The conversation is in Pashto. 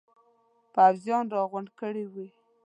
پوځیان را غونډ کړي وي.